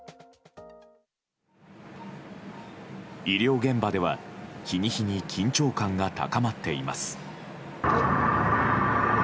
医療現場では日に日に緊張感が高まっています。